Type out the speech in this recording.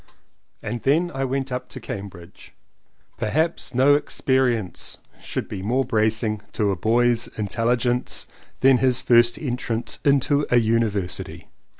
And then I went up to Cambridge. Per haps no experience should be more bracing to a boy's intelligence than his first entrance into a University.